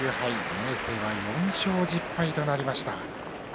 明生は４勝１０敗となりました。